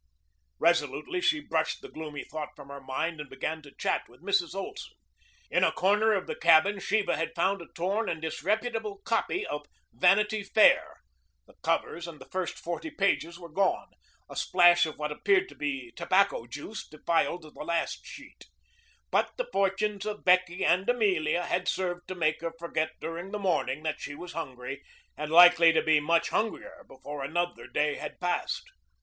Resolutely she brushed the gloomy thought from her mind and began to chat with Mrs. Olson. In a corner of the cabin Sheba had found a torn and disreputable copy of "Vanity Fair." The covers and the first forty pages were gone. A splash of what appeared to be tobacco juice defiled the last sheet. But the fortunes of Becky and Amelia had served to make her forget during the morning that she was hungry and likely to be much hungrier before another day had passed.